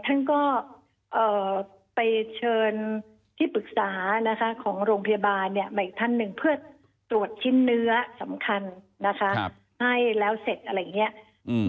ท่านก็ไปเชิญที่ปรึกษานะคะของโรงพยาบาลเนี่ยมาอีกท่านหนึ่งเพื่อตรวจชิ้นเนื้อสำคัญนะคะให้แล้วเสร็จอะไรอย่างนี้